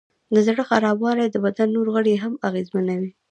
د زړه خرابوالی د بدن نور غړي هم اغېزمنوي.